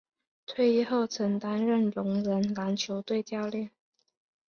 退役后曾担任聋人篮球队教练。